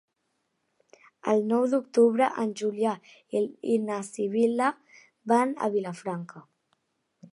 El nou d'octubre en Julià i na Sibil·la van a Vilafranca.